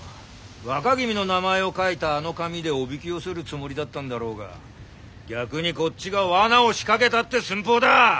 若君の名前を書いたあの紙でおびき寄せるつもりだったんだろうが逆にこっちが罠を仕掛けたって寸法だ！